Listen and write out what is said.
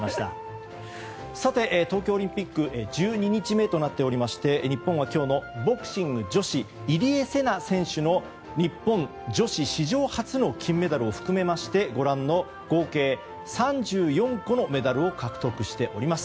さて、東京オリンピック１２日目となっておりまして日本は今日のボクシング女子入江聖奈選手の日本女子史上初の金メダルを含めましてご覧の合計３４個のメダルを獲得しています。